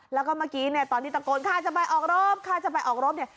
แล้วก็เมื่อกี้เนี่ยตอนที่ตะโกนข้าจะไปออกรบข้าจะไปออกรบเนี่ย